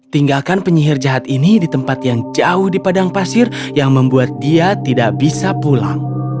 tinggalkan penyihir jahat ini di tempat yang jauh di padang pasir yang membuat dia tidak bisa pulang